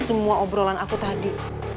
semua obrolan aku tadi